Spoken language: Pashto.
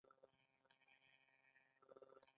خو د تولید پر وسایلو د خصوصي مالکیت شتون دی